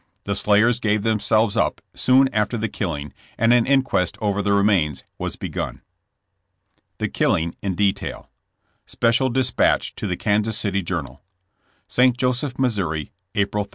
The slayers gave themselves up soon after the killing, and an inquest over the remains was begun. THE KILLING IN DETAIL. Special Dispatch to the Kansas City Journal: St. Joseph, Mo., April 3.